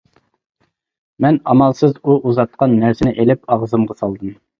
مەن ئامالسىز ئۇ ئۇزاتقان نەرسىنى ئېلىپ ئاغزىمغا سالدىم.